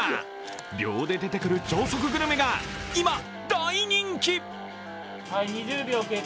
秒で出てくる超速グルメが今、大人気！